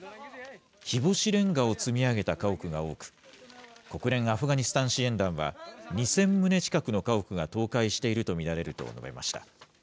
日干しれんがを積み上げた家屋が多く、国連アフガニスタン支援団は、２０００棟近くの家屋が倒壊していると見られると述べました。